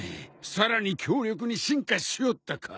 さらに強力に進化しおったか。